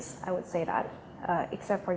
salah satu negara